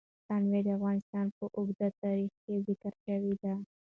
تنوع د افغانستان په اوږده تاریخ کې ذکر شوی دی.